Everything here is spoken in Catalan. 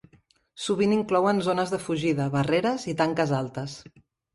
Sovint inclouen zones de fugida, barreres i tanques altes.